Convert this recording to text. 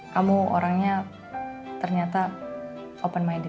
kamu orangnya ternyata open minded lah